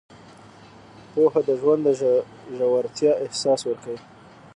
پوهه د ژوند د ژورتیا احساس ورکوي.